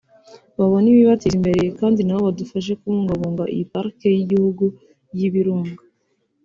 babone ibibateza imbere kandi nabo badufashe kubungabunga iyi Pariki y’Igihugu y’Ibirunga